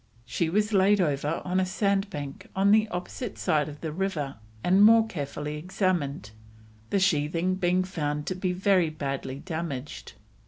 She was laid over on a sandbank on the opposite side of the river and more carefully examined, the sheathing being found to be very badly damaged.